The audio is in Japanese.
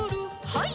はい。